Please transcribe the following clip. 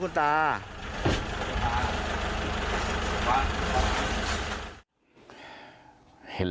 ศพที่สอง